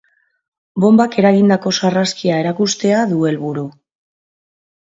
Bonbak eragindako sarraskia erakustea du helburu.